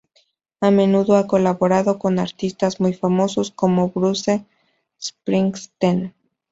A menudo ha colaborado con artistas muy famosos, como Bruce Springsteen.